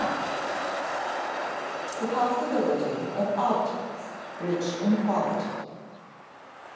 [Sidenote: The possibility of objects rich in quality] III.